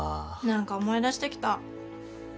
何か思い出してきた。